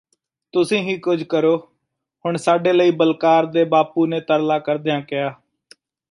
ਤੁਸੀਂ ਹੀ ਕੁੱਝ ਕਰੋ…ਹੁਣ ਸਾਡੇ ਲਈ ਬਲਕਾਰ ਦੇ ਬਾਪੂ ਨੇ ਤਰਲਾ ਕਰਦਿਆਂ ਕਿਹਾ